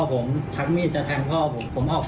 มาถึงตอนนี้เราไงครับ